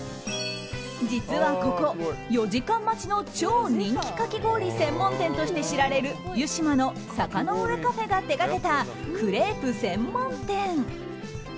実はここ、４時間待ちの超人気かき氷専門店として知られる湯島のサカノウエカフェが手がけたクレープ専門店。